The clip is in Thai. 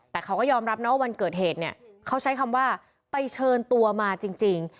แต่เขาก็ยอมรับนะว่าวันเกิดเหตุเนี่ยเขาใช้คำว่าไปเชิญตัวมาจริง